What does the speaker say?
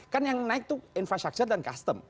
kan yang naik itu infrastructure dan custom